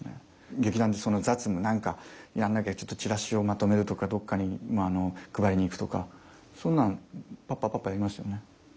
劇団でそんな雑務何かやんなきゃちょっとチラシをまとめるとかどっかに配りに行くとかそんなんぱっぱぱっぱやりますよね。